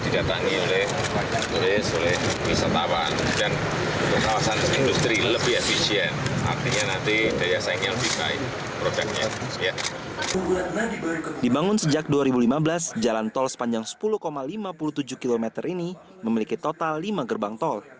dibangun sejak dua ribu lima belas jalan tol sepanjang sepuluh lima puluh tujuh km ini memiliki total lima gerbang tol